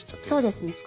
そうですね。